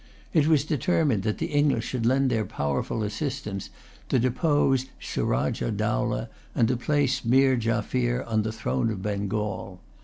It was determined that the English should lend their powerful assistance to depose Surajah Dowlah, and to place Meer Jaffier on the throne of Bengal.